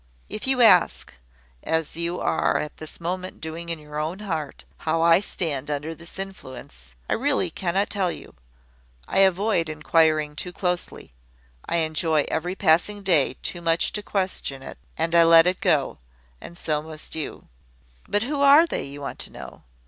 If you ask, as you are at this moment doing in your own heart, how I stand under this influence, I really cannot tell you. I avoid inquiring too closely. I enjoy every passing day too much to question it, and I let it go; and so must you. "`But who are they?' you want to know.